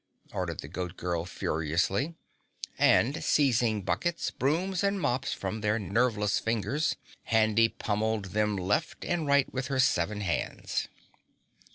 ordered the Goat Girl furiously, and seizing buckets, brooms and mops from their nerveless fingers, Handy pummeled them left and right with her seven hands.